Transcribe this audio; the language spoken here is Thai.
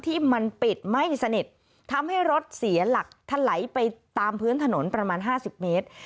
ที่มันปิดไม่สนิททำให้รถเสียหลักทะไหลไปตามพื้นถนนประมาณ๕๐เมตร